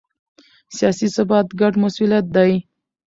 سیاسي ثبات ګډ مسوولیت دی